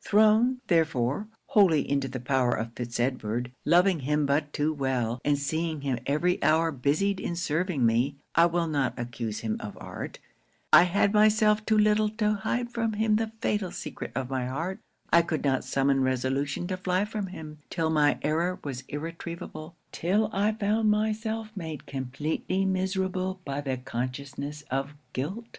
'Thrown, therefore, wholly into the power of Fitz Edward; loving him but too well; and seeing him every hour busied in serving me I will not accuse him of art; I had myself too little to hide from him the fatal secret of my heart; I could not summon resolution to fly from him, till my error was irretrievable till I found myself made compleatly miserable by the consciousness of guilt.